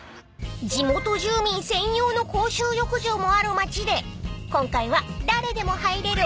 ［地元住民専用の公衆浴場もある町で今回は］